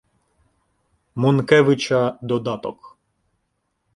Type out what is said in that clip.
Монкевича Додаток.